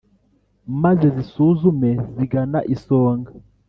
maze zisume zigana isonga